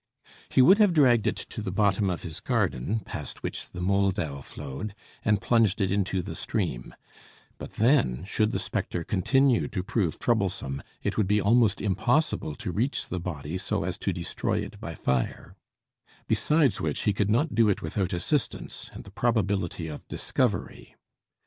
He would have dragged it to the bottom of his garden, past which the Moldau flowed, and plunged it into the stream; but then, should the spectre continue to prove troublesome, it would be almost impossible to reach the body so as to destroy it by fire; besides which, he could not do it without assistance, and the probability of discovery.